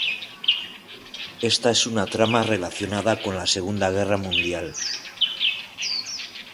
Esta es una trama relacionada con la Segunda Guerra Mundial.